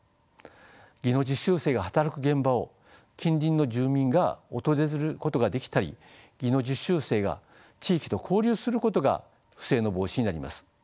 技能実習生が働く現場を近隣の住民が訪れることができたり技能実習生が地域と交流することが不正の防止になります。